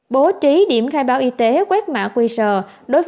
bố trí điểm khai báo y tế quét mã quy rờ